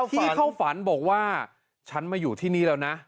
เที่ยวค์เข้าฝรรมโหบอกว่าฉันมาอยู่ที่นี้แล้วนะ